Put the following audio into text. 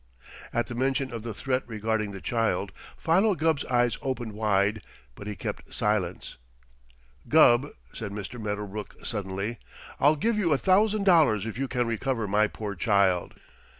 At the mention of the threat regarding the child, Philo Gubb's eyes opened wide, but he kept silence. "Gubb," said Mr. Medderbrook suddenly, "I'll give you a thousand dollars if you can recover my poor child."